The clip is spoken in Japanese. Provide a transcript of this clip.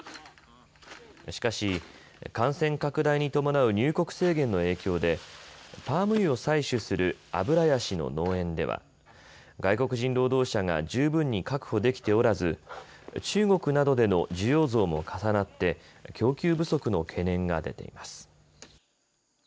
しかし感染拡大に伴う入国制限の影響でパーム油を採取するアブラヤシの農園では外国人労働者が十分に確保できておらず中国などでの需要増も重なって供給不足の懸念が出ています。